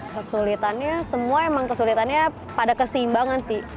kesulitannya semua emang kesulitannya pada keseimbangan sih